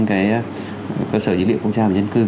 cơ sở dữ liệu công gia và nhân cư